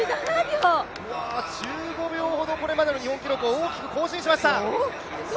１５秒ほどこれまでの日本記録を大きく更新しました。